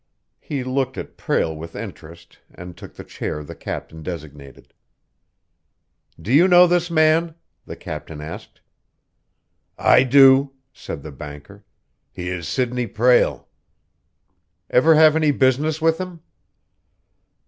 He looked at Prale with interest, and took the chair the captain designated. "You know this man?" the captain asked. "I do," said the banker. "He is Sidney Prale." "Ever have any business with him?"